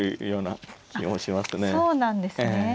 そうなんですね。